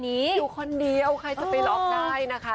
คุณผู้ชมอยู่คนเดียวใครจะไปล็อกได้นะคะ